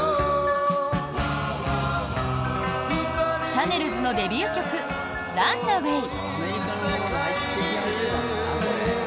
シャネルズのデビュー曲「ランナウェイ」。